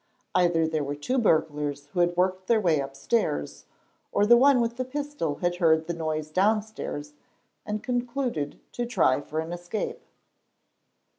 Either there were two burglars who had worked their way upstairs, or the one with the pistol had heard the noise downstairs, and concluded to try for an escape.